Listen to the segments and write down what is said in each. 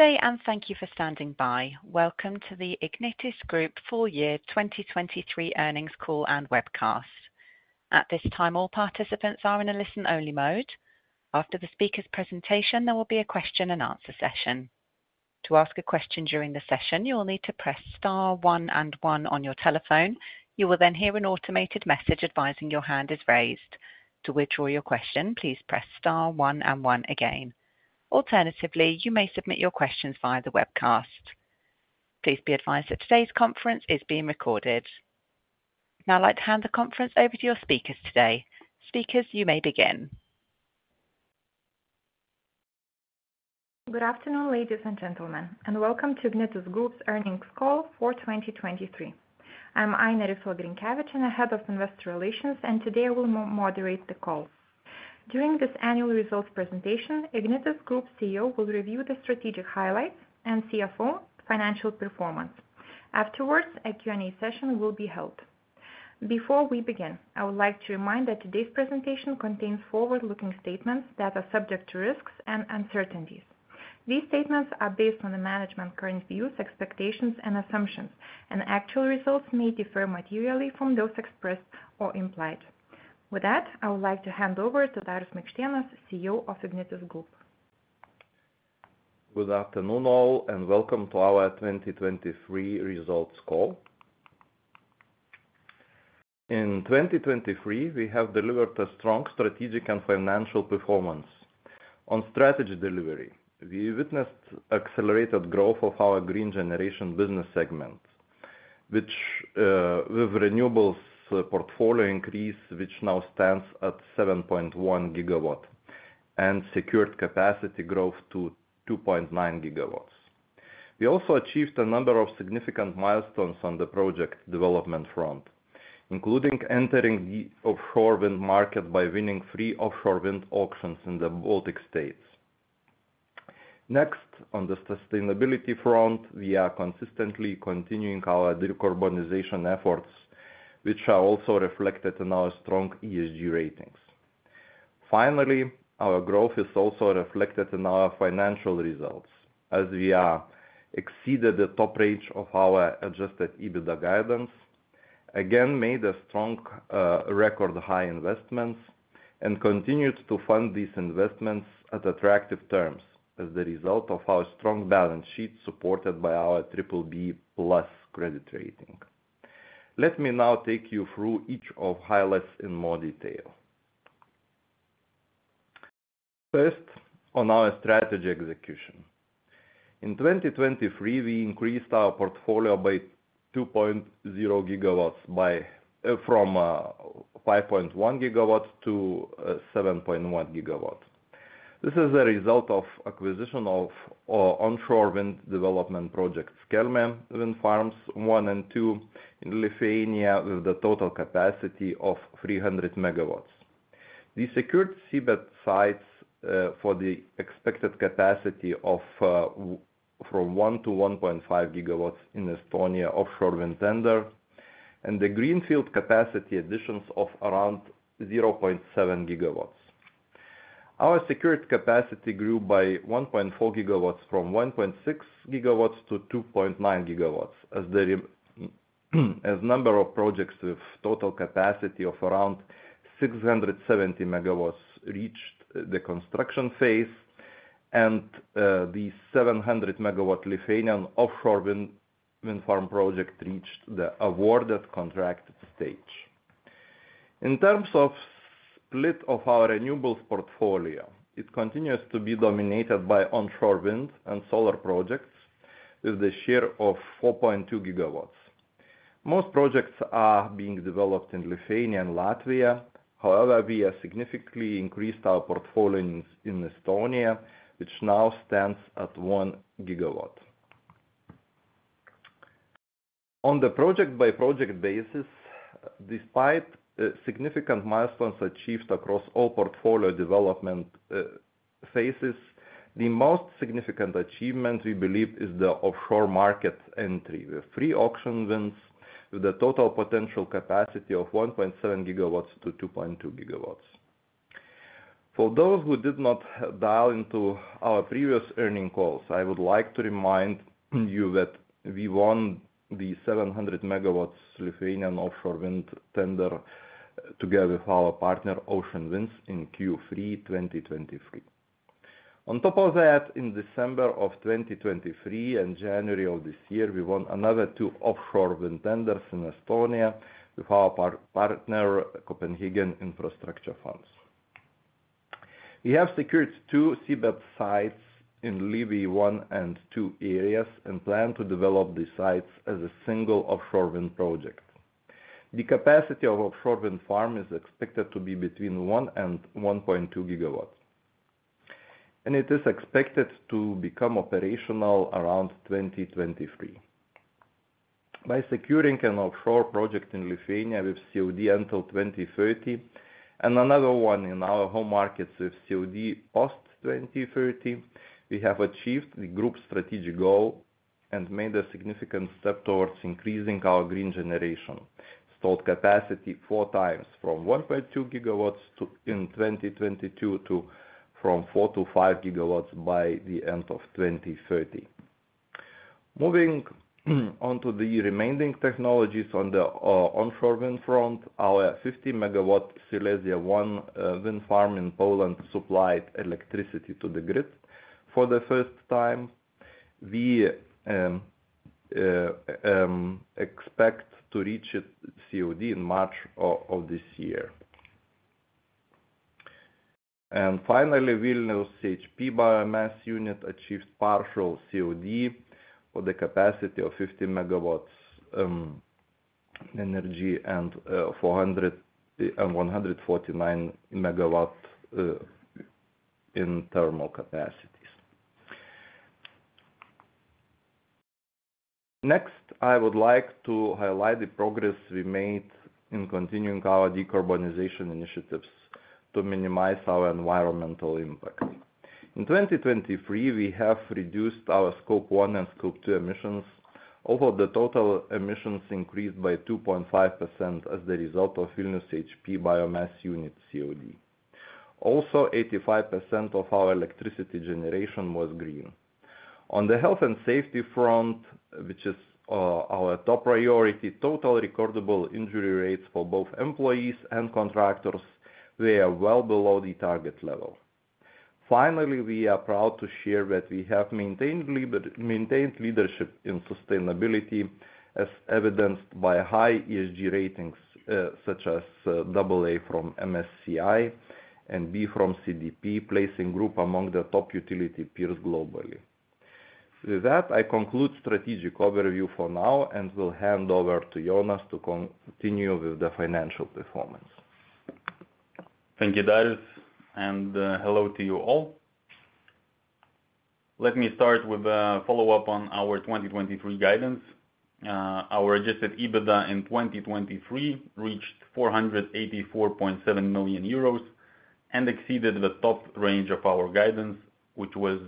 Good day and thank you for standing by. Welcome to the Ignitis Group 4-Year 2023 Earnings Call and Webcast. At this time, all participants are in a listen-only mode. After the speaker's presentation, there will be a question-and-answer session. To ask a question during the session, you will need to press star 1 and 1 on your telephone. You will then hear an automated message advising your hand is raised. To withdraw your question, please press star 1 and 1 again. Alternatively, you may submit your questions via the webcast. Please be advised that today's conference is being recorded. Now I'd like to hand the conference over to your speakers today. Speakers, you may begin. Good afternoon, ladies and gentlemen, and welcome to Ignitis Group's Earnings Call for 2023. I'm Ainė Riffel-Grinkevičienė, the head of investor relations, and today I will moderate the call. During this annual results presentation, Ignitis Group's CEO will review the strategic highlights and CFO financial performance. Afterwards, a Q&A session will be held. Before we begin, I would like to remind that today's presentation contains forward-looking statements that are subject to risks and uncertainties. These statements are based on the management's current views, expectations, and assumptions, and actual results may differ materially from those expressed or implied. With that, I would like to hand over to Darius Maikštėnas, CEO of Ignitis Group. Good afternoon, all, and welcome to our 2023 results call. In 2023, we have delivered a strong strategic and financial performance. On strategy delivery, we witnessed accelerated growth of our green generation business segment, which, with renewables, portfolio increase which now stands at 7.1 gigawatt and secured capacity growth to 2.9 gigawatts. We also achieved a number of significant milestones on the project development front, including entering the offshore wind market by winning three offshore wind auctions in the Baltic States. Next, on the sustainability front, we are consistently continuing our decarbonization efforts, which are also reflected in our strong ESG ratings. Finally, our growth is also reflected in our financial results, as we are exceeded the top range of our Adjusted EBITDA guidance, again made a strong, record high investments, and continued to fund these investments at attractive terms as the result of our strong balance sheet supported by our BBB+ credit rating. Let me now take you through each of highlights in more detail. First, on our strategy execution. In 2023, we increased our portfolio by 2.0 GW from 5.1 GW-7.1 GW. This is the result of acquisition of onshore wind development projects Kelmė Wind Farms 1 and 2 in Lithuania with a total capacity of 300 MW. We secured seabed sites for the expected capacity of from 1-1.5 GW in Estonia offshore wind tender, and the greenfield capacity additions of around 0.7 GW. Our secured capacity grew by 1.4 gigawatts from 1.6 gigawatts to 2.9 gigawatts as the number of projects with total capacity of around 670 megawatts reached the construction phase, and the 700 megawatt Lithuanian offshore wind farm project reached the awarded contracted stage. In terms of split of our renewables portfolio, it continues to be dominated by onshore wind and solar projects with a share of 4.2 gigawatts. Most projects are being developed in Lithuania and Latvia, however, we have significantly increased our portfolio in Estonia, which now stands at one gigawatt. On the project-by-project basis, despite significant milestones achieved across all portfolio development phases, the most significant achievement we believe is the offshore market entry with three auction wins with a total potential capacity of 1.7-2.2 gigawatts. For those who did not dial into our previous earnings calls, I would like to remind you that we won the 700 MW Lithuanian offshore wind tender together with our partner Ocean Winds in Q3 2023. On top of that, in December of 2023 and January of this year, we won another two offshore wind tenders in Estonia with our partner Copenhagen Infrastructure Partners. We have secured two seabed sites in Liivi 1 and 2 areas and plan to develop these sites as a single offshore wind project. The capacity of offshore wind farm is expected to be between 1-1.2 GW, and it is expected to become operational around 2023. By securing an offshore project in Lithuania with COD until 2030 and another one in our home markets with COD post-2030, we have achieved the group's strategic goal and made a significant step towards increasing our green generation installed capacity 4x from 1.2 GW in 2022 to 4-5 GW by the end of 2030. Moving on to the remaining technologies on the onshore wind front, our 50 MW Silesia I wind farm in Poland supplied electricity to the grid for the first time. We expect to reach its COD in March of this year. And finally, Vilnius CHP biomass unit achieved partial COD for the capacity of 50 MW energy and 400 and 149 MW in thermal capacities. Next, I would like to highlight the progress we made in continuing our decarbonization initiatives to minimize our environmental impact. In 2023, we have reduced our Scope 1 and Scope 2 emissions, although the total emissions increased by 2.5% as the result of Vilnius CHP biomass unit COD. Also, 85% of our electricity generation was green. On the health and safety front, which is, our top priority, total recordable injury rates for both employees and contractors were well below the target level. Finally, we are proud to share that we have maintained leadership in sustainability as evidenced by high ESG ratings, such as AA from MSCI and B from CDP, placing the group among the top utility peers globally. With that, I conclude the strategic overview for now and will hand over to Jonas to continue with the financial performance. Thank you, Darius, and hello to you all. Let me start with a follow-up on our 2023 guidance. Our Adjusted EBITDA in 2023 reached 484.7 million euros and exceeded the top range of our guidance, which was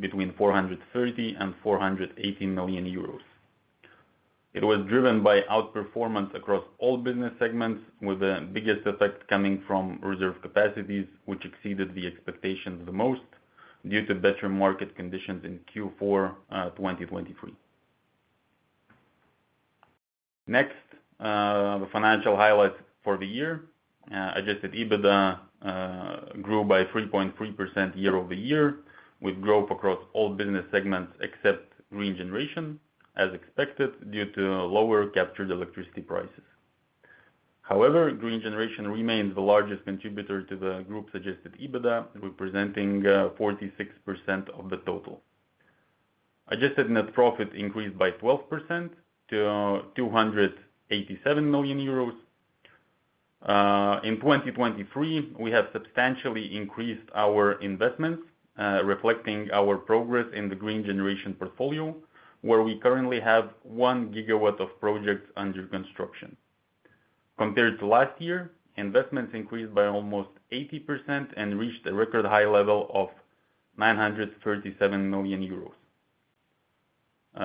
between 430 million euros and 418 million euros. It was driven by outperformance across all business segments, with the biggest effect coming from reserve capacities, which exceeded the expectations the most due to better market conditions in Q4 2023. Next, the financial highlights for the year. Adjusted EBITDA grew by 3.3% year-over-year with growth across all business segments except green generation, as expected due to lower captured electricity prices. However, green generation remains the largest contributor to the group's Adjusted EBITDA, representing 46% of the total. Adjusted net profit increased by 12% to 287 million euros. In 2023, we have substantially increased our investments, reflecting our progress in the green generation portfolio, where we currently have 1 GW of projects under construction. Compared to last year, investments increased by almost 80% and reached a record high level of 937 million euros.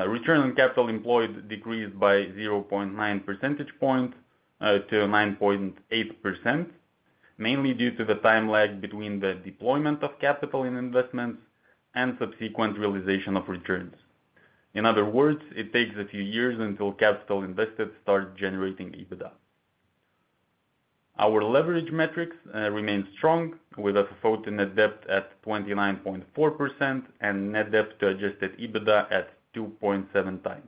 Return on Capital Employed decreased by 0.9 percentage points, to 9.8%, mainly due to the time lag between the deployment of capital in investments and subsequent realization of returns. In other words, it takes a few years until capital invested starts generating EBITDA. Our leverage metrics remain strong with a FOTA Net Debt at 29.4% and net debt to adjusted EBITDA at 2.7x.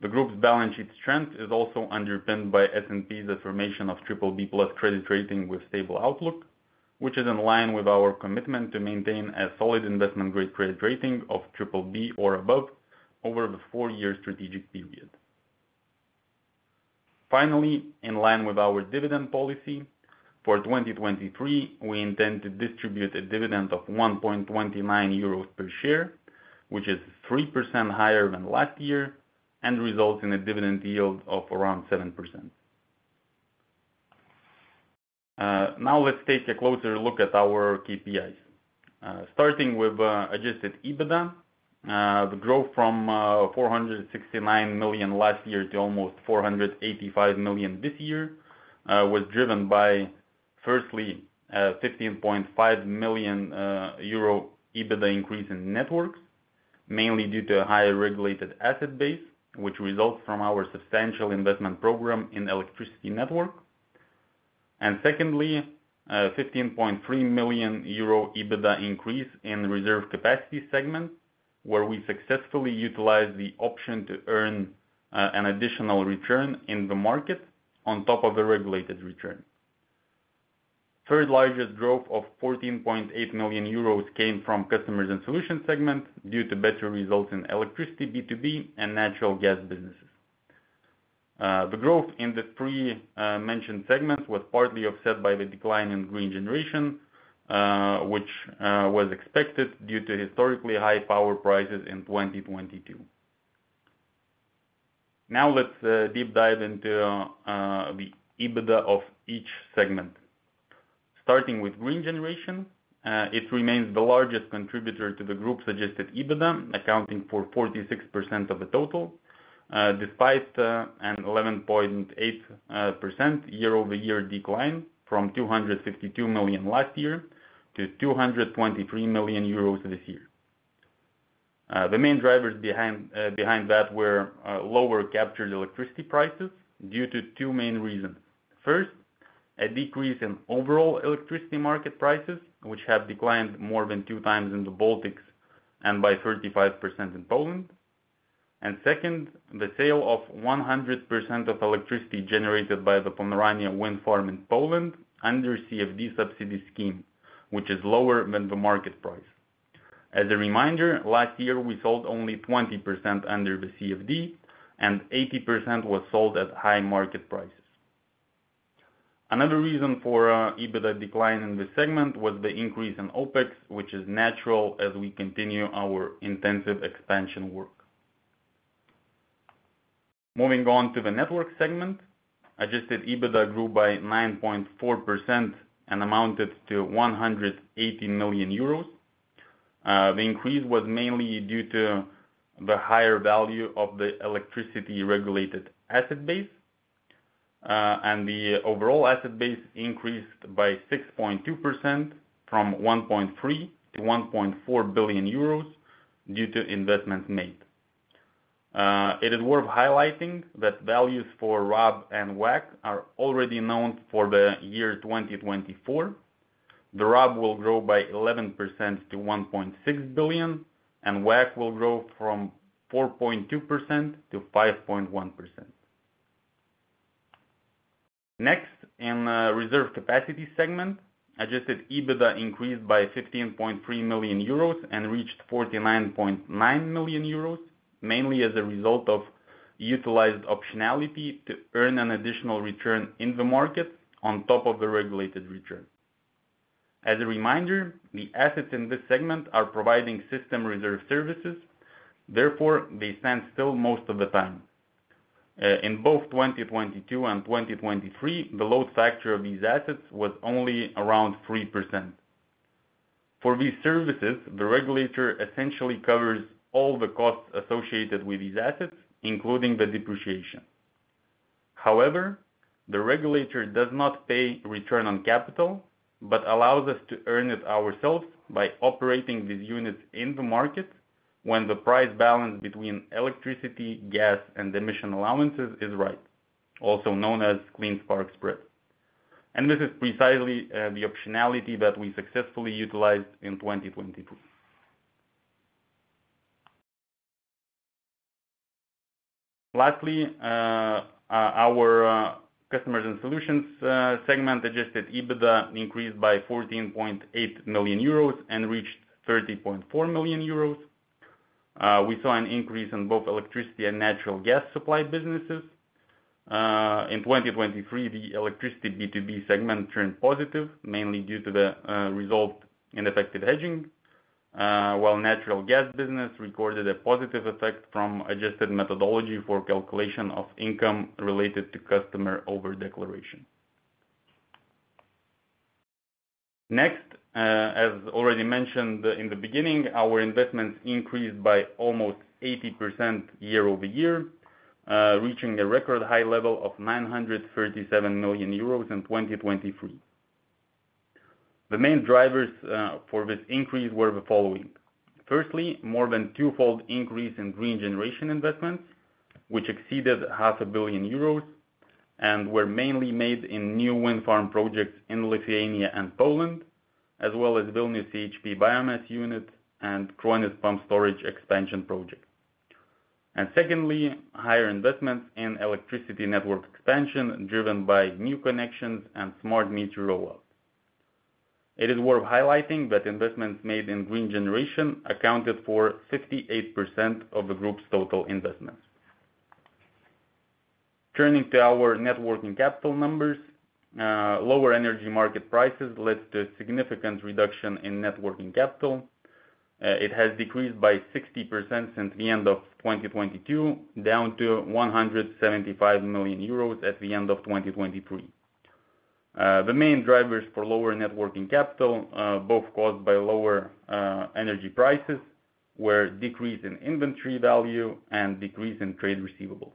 The group's balance sheet strength is also underpinned by S&P's affirmation of BBB+ credit rating with stable outlook, which is in line with our commitment to maintain a solid investment-grade credit rating of BBB or above over the four-year strategic period. Finally, in line with our dividend policy, for 2023, we intend to distribute a dividend of 1.29 euros per share, which is 3% higher than last year and results in a dividend yield of around 7%. Now let's take a closer look at our KPIs. Starting with Adjusted EBITDA, the growth from 469 million last year to almost 485 million this year was driven by firstly 15.5 million euro EBITDA increase in networks, mainly due to a higher regulated asset base, which results from our substantial investment program in electricity network. And secondly, 15.3 million euro EBITDA increase in reserve capacity segment, where we successfully utilized the option to earn an additional return in the market on top of the regulated return. Third largest growth of 14.8 million euros came from customers and solutions segment due to better results in electricity B2B and natural gas businesses. The growth in the three mentioned segments was partly offset by the decline in green generation, which was expected due to historically high power prices in 2022. Now let's deep dive into the EBITDA of each segment. Starting with green generation, it remains the largest contributor to the group's adjusted EBITDA, accounting for 46% of the total, despite an 11.8% year-over-year decline from 252 million last year to 223 million euros this year. The main drivers behind that were lower captured electricity prices due to two main reasons. First, a decrease in overall electricity market prices, which have declined more than two times in the Baltics and by 35% in Poland. And second, the sale of 100% of electricity generated by the Pomerania Wind Farm in Poland under CFD subsidy scheme, which is lower than the market price. As a reminder, last year, we sold only 20% under the CFD, and 80% was sold at high market prices. Another reason for EBITDA decline in this segment was the increase in OpEx, which is natural as we continue our intensive expansion work. Moving on to the network segment, adjusted EBITDA grew by 9.4% and amounted to 180 million euros. The increase was mainly due to the higher value of the electricity regulated asset base, and the overall asset base increased by 6.2% from 1.3 billion to 1.4 billion euros due to investments made. It is worth highlighting that values for RAB and WACC are already known for the year 2024. The RAB will grow by 11% to 1.6 billion, and WACC will grow from 4.2% to 5.1%. Next, in the reserve capacity segment, Adjusted EBITDA increased by 15.3 million euros and reached 49.9 million euros, mainly as a result of utilized optionality to earn an additional return in the market on top of the regulated return. As a reminder, the assets in this segment are providing system reserve services. Therefore, they stand still most of the time. In both 2022 and 2023, the load factor of these assets was only around 3%. For these services, the regulator essentially covers all the costs associated with these assets, including the depreciation. However, the regulator does not pay return on capital but allows us to earn it ourselves by operating these units in the market when the price balance between electricity, gas, and emission allowances is right, also known as Clean Spark Spread. This is precisely the optionality that we successfully utilized in 2022. Lastly, our customers and solutions segment adjusted EBITDA increased by 14.8 million euros and reached 30.4 million euros. We saw an increase in both electricity and natural gas supply businesses. In 2023, the electricity B2B segment turned positive, mainly due to the resolved ineffective hedging, while natural gas business recorded a positive effect from adjusted methodology for calculation of income related to customer over-declaration. Next, as already mentioned in the beginning, our investments increased by almost 80% year-over-year, reaching a record high level of 937 million euros in 2023. The main drivers for this increase were the following. Firstly, more than twofold increase in green generation investments, which exceeded 500 million euros and were mainly made in new wind farm projects in Lithuania and Poland, as well as Vilnius CHP biomass unit and Kruonis pumped storage expansion project. Secondly, higher investments in electricity network expansion driven by new connections and smart meter rollout. It is worth highlighting that investments made in green generation accounted for 58% of the group's total investments. Turning to our net working capital numbers, lower energy market prices led to a significant reduction in net working capital. It has decreased by 60% since the end of 2022, down to 175 million euros at the end of 2023. The main drivers for lower net working capital, both caused by lower energy prices were decrease in inventory value and decrease in trade receivables.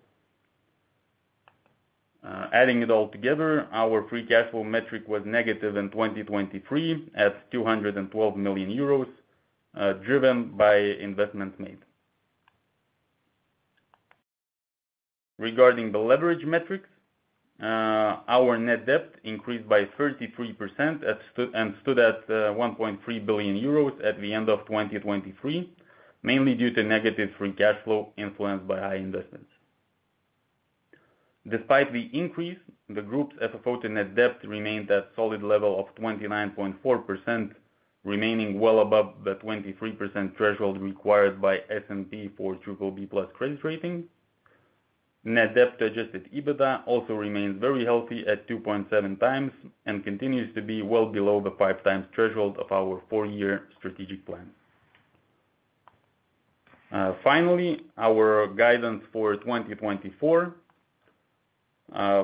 Adding it all together, our free cash flow metric was negative in 2023 at 212 million euros, driven by investments made. Regarding the leverage metrics, our net debt increased by 33% and stood at 1.3 billion euros at the end of 2023, mainly due to negative free cash flow influenced by high investments. Despite the increase, the Group's FOTA Net Debt remained at a solid level of 29.4%, remaining well above the 23% threshold required by S&P for BBB+ credit rating. Net debt to Adjusted EBITDA also remains very healthy at 2.7x and continues to be well below the 5x threshold of our 4-year strategic plan. Finally, our guidance for 2024.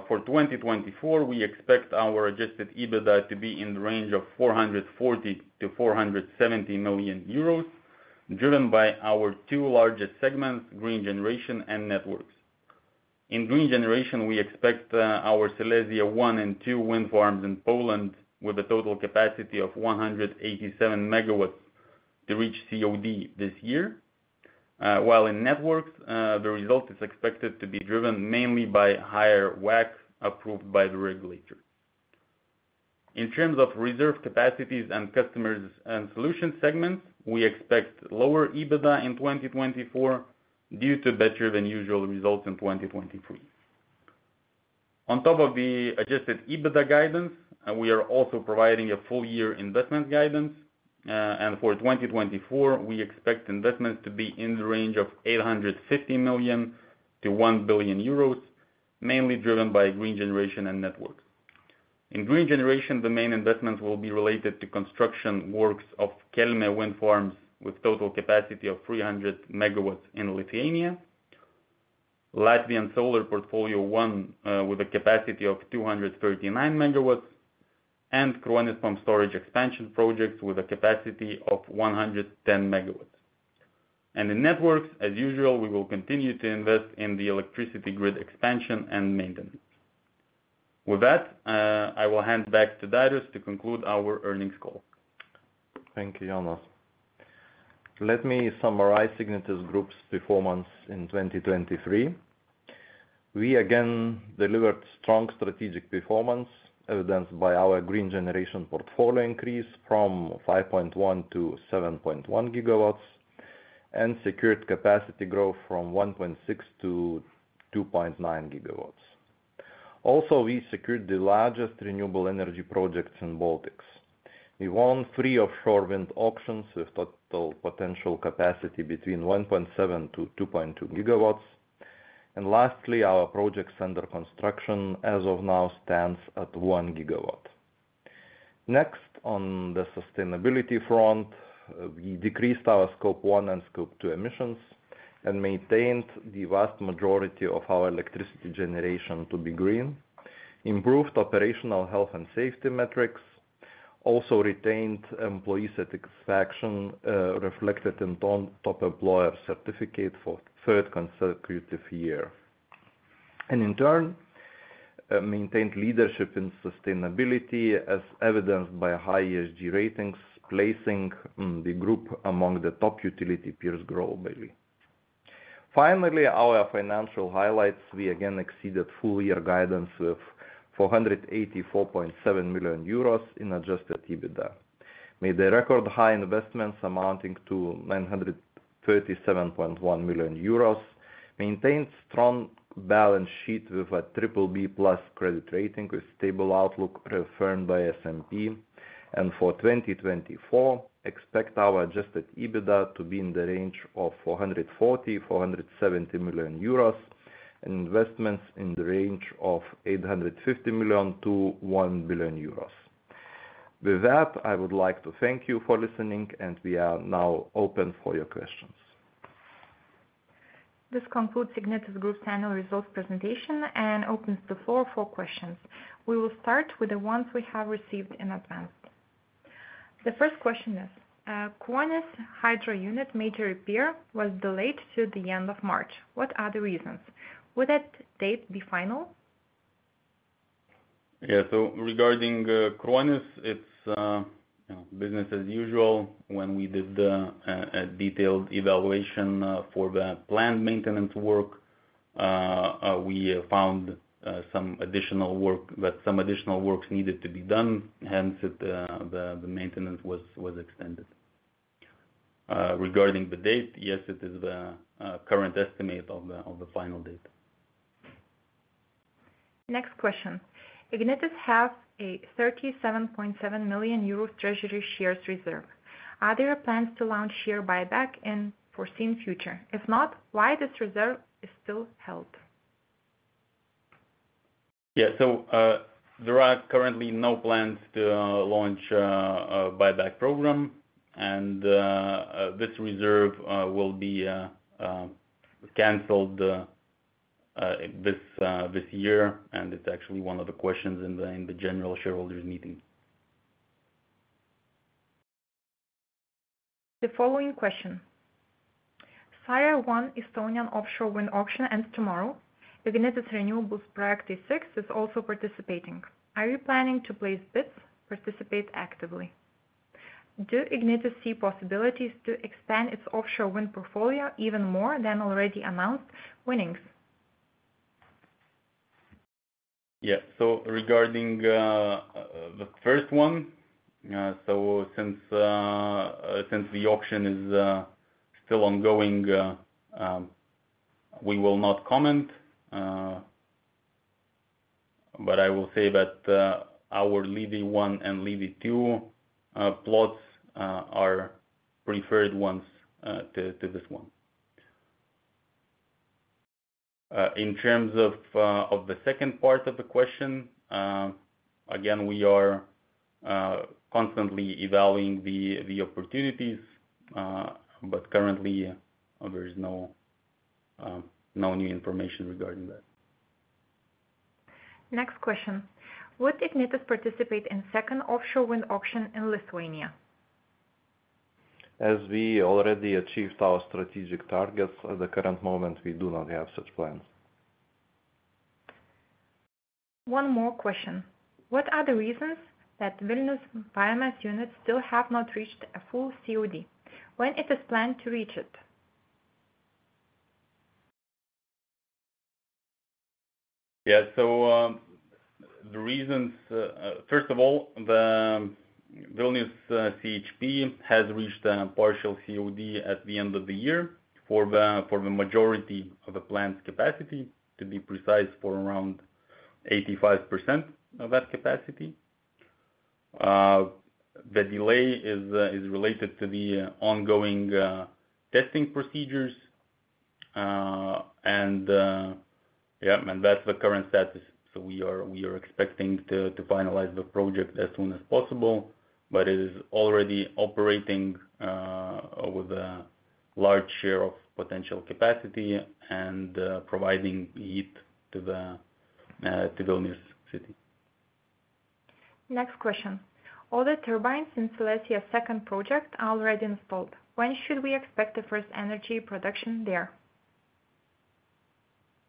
For 2024, we expect our Adjusted EBITDA to be in the range of 440 million-470 million euros, driven by our two largest segments, green generation and networks. In green generation, we expect our Silesia One and Two wind farms in Poland with a total capacity of 187 MW to reach COD this year, while in networks, the result is expected to be driven mainly by higher WACC approved by the regulator. In terms of reserve capacities and customers and solutions segments, we expect lower EBITDA in 2024 due to better than usual results in 2023. On top of the Adjusted EBITDA guidance, we are also providing a full-year investment guidance, and for 2024, we expect investments to be in the range of 850 million-1 billion euros, mainly driven by green generation and networks. In green generation, the main investments will be related to construction works of Kelmė Wind Farms with total capacity of 300 MW in Lithuania, Latvian Solar Portfolio One with a capacity of 239 MW, and Kruonis pumped storage expansion projects with a capacity of 110 MW. In networks, as usual, we will continue to invest in the electricity grid expansion and maintenance. With that, I will hand back to Darius to conclude our earnings call. Thank you, Jonas. Let me summarize Ignitis Group's performance in 2023. We, again, delivered strong strategic performance evidenced by our green generation portfolio increase from 5.1-7.1 GW and secured capacity growth from 1.6-2.9 GW. Also, we secured the largest renewable energy projects in Baltics. We won three offshore wind auctions with total potential capacity between 1.7-2.2 GW. And lastly, our projects under construction, as of now, stands at 1 GW. Next, on the sustainability front, we decreased our Scope one and Scope two emissions and maintained the vast majority of our electricity generation to be green, improved operational health and safety metrics, also retained employee satisfaction reflected in top employer certificate for the third consecutive year. And, in turn, maintained leadership in sustainability as evidenced by high ESG ratings, placing the group among the top utility peers globally. Finally, our financial highlights, we, again, exceeded full-year guidance with 484.7 million euros in adjusted EBITDA, made a record high investments amounting to 937.1 million euros, maintained a strong balance sheet with a BBB+ credit rating with stable outlook reaffirmed by S&P, and for 2024, expect our adjusted EBITDA to be in the range of 440 million-470 million euros and investments in the range of 850 million-1 billion euros. With that, I would like to thank you for listening, and we are now open for your questions. This concludes Ignitis Group's annual results presentation and opens the floor for questions. We will start with the ones we have received in advance. The first question is, Kruonis hydro unit major repair was delayed to the end of March. What are the reasons? Would that date be final? Yeah, so regarding Kruonis, it's business as usual. When we did a detailed evaluation for the planned maintenance work, we found some additional work that some additional works needed to be done, hence the maintenance was extended. Regarding the date, yes, it is the current estimate of the final date. Next question. Ignitis has a 37.7 million euros treasury shares reserve. Are there plans to launch share buyback in the foreseen future? If not, why this reserve is still held? Yeah, so there are currently no plans to launch a buyback program, and this reserve will be canceled this year, and it's actually one of the questions in the general shareholders' meeting. The following question. Saare 1 Estonian offshore wind auction ends tomorrow. Ignitis Renewables Project A6 is also participating. Are you planning to place bids, participate actively? Do Ignitis see possibilities to expand its offshore wind portfolio even more than already announced winnings? Yeah, so regarding the first one, so since the auction is still ongoing, we will not comment, but I will say that our Liivi 1 and Liivi 2 plots are preferred ones to this one. In terms of the second part of the question, again, we are constantly evaluating the opportunities, but currently, there is no new information regarding that. Next question. Would Ignitis participate in the second offshore wind auction in Lithuania? As we already achieved our strategic targets, at the current moment, we do not have such plans. One more question. What are the reasons that Vilnius biomass units still have not reached a full COD? When it is planned to reach it? Yeah, so the reasons, first of all, Vilnius CHP has reached a partial COD at the end of the year for the majority of the plant's capacity, to be precise, for around 85% of that capacity. The delay is related to the ongoing testing procedures, and yeah, and that's the current status. So we are expecting to finalize the project as soon as possible, but it is already operating with a large share of potential capacity and providing heat to Vilnius city. Next question. All the turbines in Silesia's second project are already installed. When should we expect the first energy production there?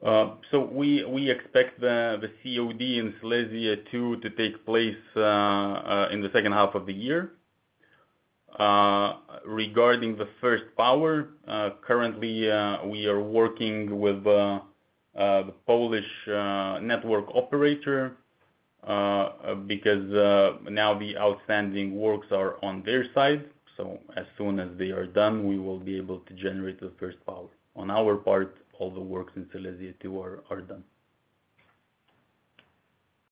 So we expect the COD in Silesia II to take place in the second half of the year. Regarding the first power, currently, we are working with the Polish network operator because now the outstanding works are on their side. So as soon as they are done, we will be able to generate the first power. On our part, all the works in Silesia II are done.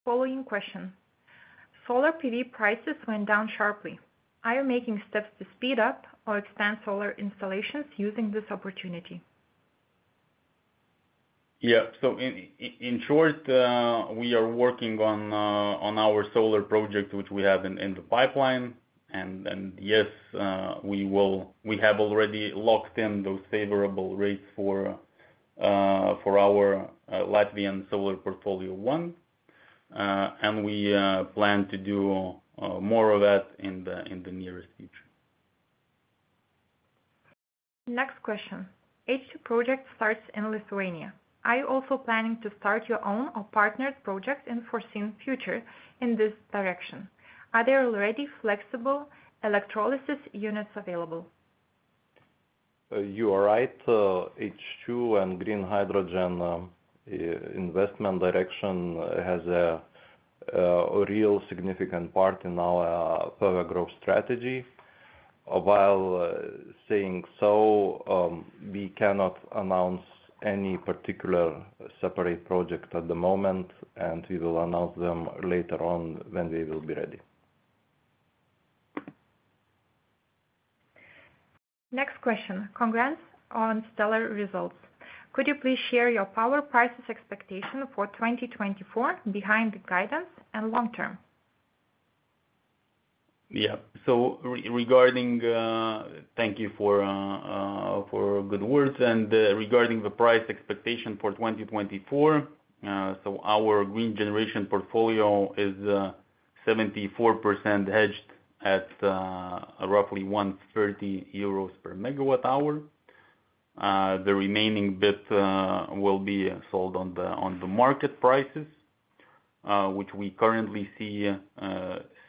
Following question. Solar PV prices went down sharply. Are you making steps to speed up or expand solar installations using this opportunity? Yeah, so in short, we are working on our solar project, which we have in the pipeline, and yes, we have already locked in those favorable rates for our Latvian Solar Portfolio One, and we plan to do more of that in the nearest future. Next question. H2 project starts in Lithuania. Are you also planning to start your own or partnered project in the foreseen future in this direction? Are there already flexible electrolysis units available? You are right. H2 and green hydrogen investment direction has a real significant part in our power growth strategy. While saying so, we cannot announce any particular separate project at the moment, and we will announce them later on when we will be ready. Next question. Congrats on stellar results. Could you please share your power prices expectation for 2024 behind the guidance and long-term? Yeah, so regarding thank you for good words, and regarding the price expectation for 2024, so our green generation portfolio is 74% hedged at roughly 130 euros per MWh. The remaining bit will be sold on the market prices, which we currently see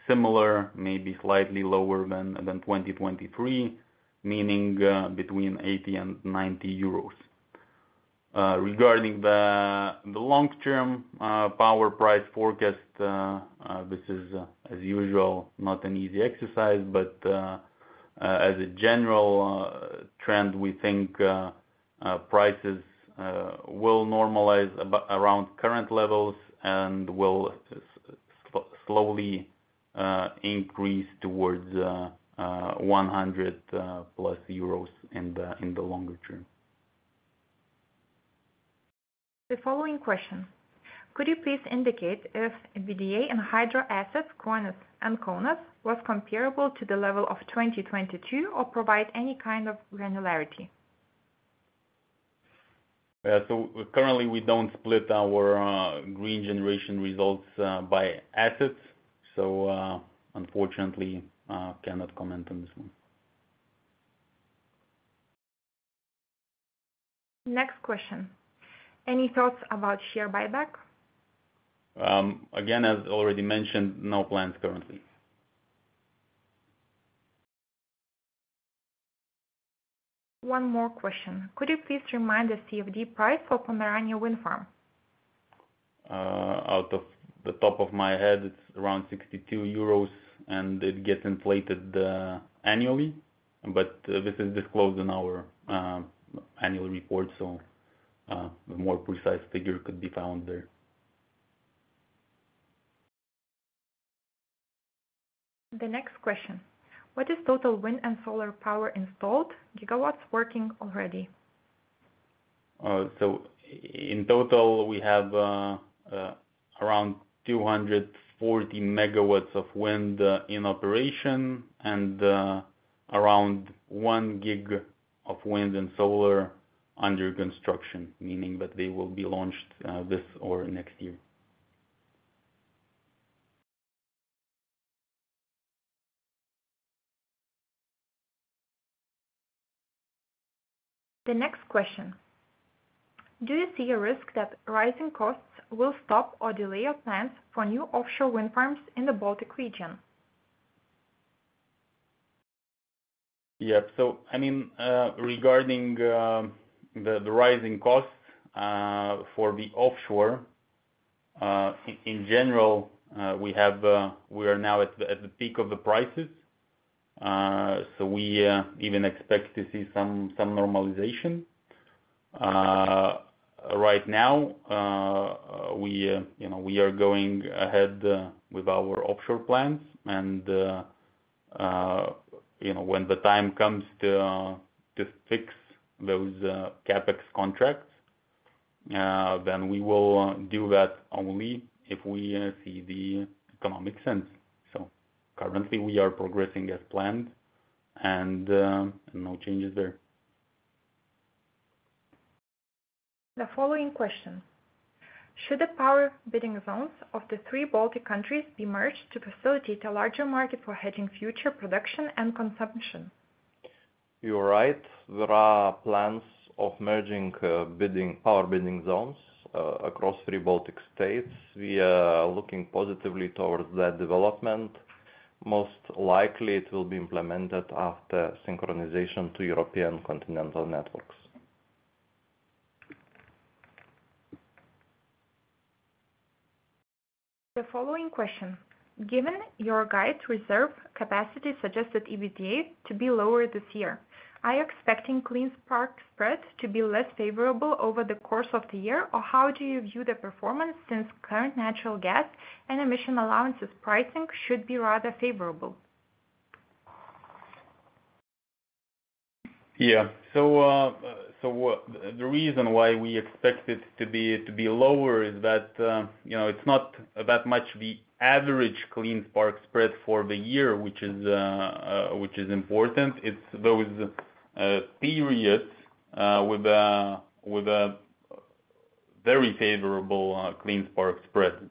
similar, maybe slightly lower than 2023, meaning between 80 and 90 euros. Regarding the long-term power price forecast, this is, as usual, not an easy exercise, but as a general trend, we think prices will normalize around current levels and will slowly increase towards 100+ euros in the longer term. The following question. Could you please indicate if VDA and hydro assets Kruonis and Kaunas was comparable to the level of 2022 or provide any kind of granularity? Yeah, so currently, we don't split our green generation results by assets, so unfortunately, cannot comment on this one. Next question. Any thoughts about share buyback? Again, as already mentioned, no plans currently. One more question. Could you please remind the CFD price for Pomerania Wind Farm? Out of the top of my head, it's around 62 euros, and it gets inflated annually, but this is disclosed in our annual report, so a more precise figure could be found there. The next question. What is total wind and solar power installed, gigawatts working already? So in total, we have around 240 MW of wind in operation and around 1 GW of wind and solar under construction, meaning that they will be launched this or next year. The next question. Do you see a risk that rising costs will stop or delay your plans for new offshore wind farms in the Baltic region? Yeah, so I mean, regarding the rising costs for the offshore, in general, we are now at the peak of the prices, so we even expect to see some normalization. Right now, we are going ahead with our offshore plans, and when the time comes to fix those CapEx contracts, then we will do that only if we see the economic sense. So currently, we are progressing as planned, and no changes there. The following question. Should the power bidding zones of the three Baltic States be merged to facilitate a larger market for hedging future production and consumption? You are right. There are plans of merging power bidding zones across three Baltic States. We are looking positively towards that development. Most likely, it will be implemented after synchronization to European continental networks. The following question. Given your guide reserve capacity suggested EBITDA to be lower this year, are you expecting Clean Spark Spread to be less favorable over the course of the year, or how do you view the performance since current natural gas and emission allowances pricing should be rather favorable? Yeah, so the reason why we expect it to be lower is that it's not that much the average Clean Spark Spread for the year, which is important. It's those periods with a very favorable Clean Spark Spread.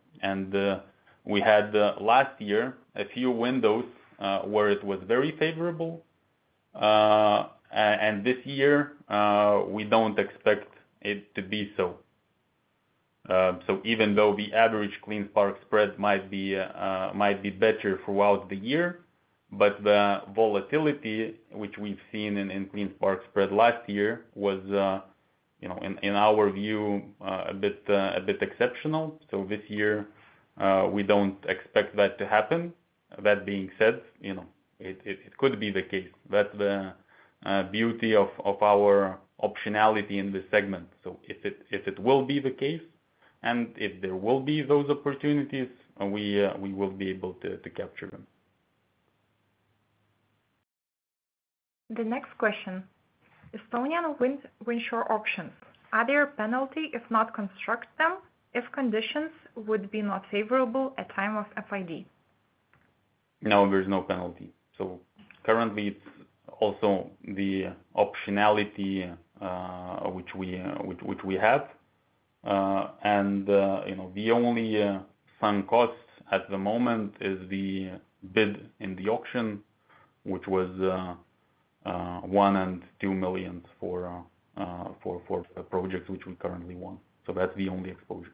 We had last year a few windows where it was very favorable, and this year, we don't expect it to be so. So even though the average Clean Spark Spread might be better throughout the year, but the volatility, which we've seen in Clean Spark Spread last year, was, in our view, a bit exceptional. So this year, we don't expect that to happen. That being said, it could be the case. That's the beauty of our optionality in this segment. So if it will be the case, and if there will be those opportunities, we will be able to capture them. The next question. Estonian offshore wind auctions. Are there penalty if not construct them if conditions would be not favorable at time of FID? N o, there's no penalty. So currently, it's also the optionality which we have, and the only sunk cost at the moment is the bid in the auction, which was 1 million and 2 million for the projects which we currently won. So that's the only exposure.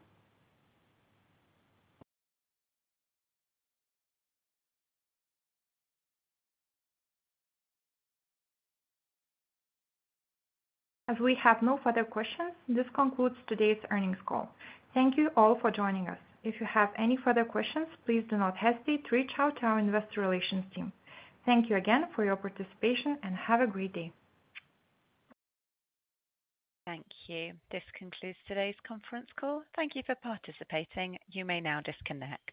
As we have no further questions, this concludes today's earnings call. Thank you all for joining us. If you have any further questions, please do not hesitate to reach out to our investor relations team. Thank you again for your participation, and have a great day. Thank you. This concludes today's conference call. Thank you for participating. You may now disconnect.